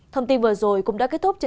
thông tin vừa rồi cũng đã kết thúc